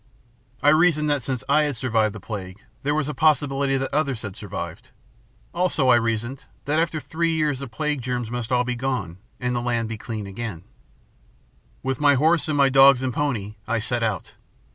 I reasoned that since I had survived the plague, there was a possibility that others had survived. Also, I reasoned that after three years the plague germs must all be gone and the land be clean again. [Illustration: With my horse and dogs and pony, I set out 144] "With my horse and dogs and pony, I set out.